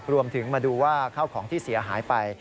มาดูว่าข้าวของที่เสียหายไป